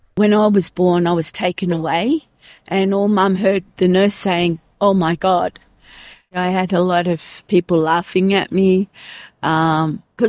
jururawat mengatakan oh tuhan saya memiliki banyak orang yang menangis pada saya karena saya menyukai tangan saya